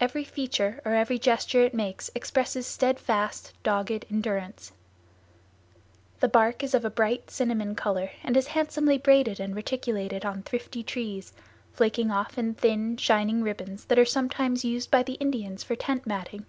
Every feature or every gesture it makes expresses steadfast, dogged endurance. The bark is of a bright cinnamon color and is handsomely braided and reticulated on thrifty trees, flaking off in thin, shining ribbons that are sometimes used by the Indians for tent matting.